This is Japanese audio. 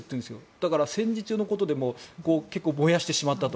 だから、戦時中のことでも燃やしてしまったと。